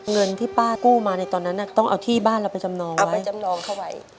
เงินที่ป้ากู้มาในตอนนั้นต้องเอาที่บ้านเราไปจำนองไว้